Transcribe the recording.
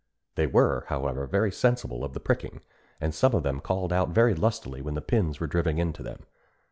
They were, however, very sensible of the pricking, and some of them called out very lustily when the pins were driven into them.